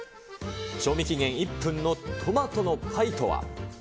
賞味期限の１分のトマトのパイとは。